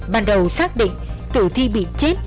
ban đầu xác định tử thi bị chết